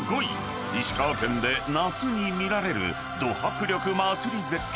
［石川県で夏に見られるド迫力祭り絶景］